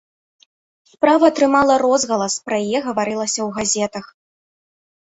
Справа атрымала розгалас, пра яе гаварылася ў газетах.